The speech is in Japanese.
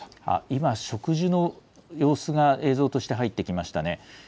今、植樹の様子が映像として入ってきましたね。